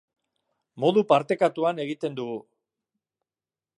Modu partekatuan egiten dugu.